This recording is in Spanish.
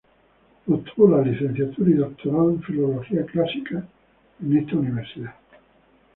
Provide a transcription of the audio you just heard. Obtuvo la licenciatura y doctorado en Filología Clásica en esta universidad.